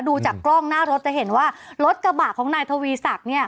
ดูจากกล้องหน้ารถจะเห็นว่ารถกระบะของนายทวีศักดิ์